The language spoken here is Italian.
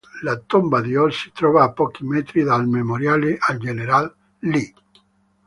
La tomba di Ord si trova a pochi metri dal memoriale al generale Lee.